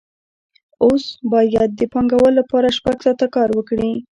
اوس باید د پانګوال لپاره شپږ ساعته کار وکړي